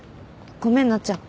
ごめんなっちゃん。